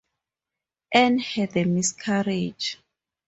Anne had a miscarriage.